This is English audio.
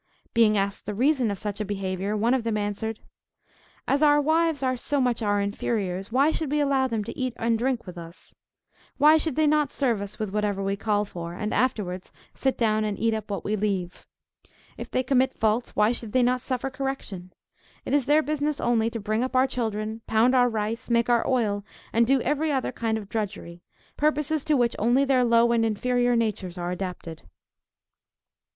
Being asked the reason of such a behavior, one of them answered, "As our wives are so much our inferiors why should we allow them to eat and drink with us? Why should they not serve us with whatever we call for, and afterwards sit down and eat up what we leave? If they commit faults, why should they not suffer correction? It is their business only to bring up our children, pound our rice, make our oil, and do every other kind of drudgery, purposes to which only their low and inferior natures are adapted."